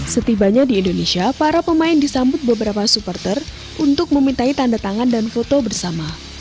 setibanya di indonesia para pemain disambut beberapa supporter untuk memintai tanda tangan dan foto bersama